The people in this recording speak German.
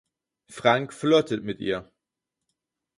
Frank flirtet mit ihr.